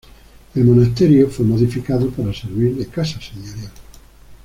El monasterio fue modificado para servir de casa señorial.